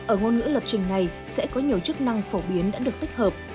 ở ngôn ngữ lập trình này sẽ có nhiều chức năng phổ biến đã được tích hợp